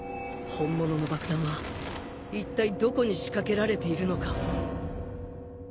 本物の爆弾は一体どこに仕掛けられているのか？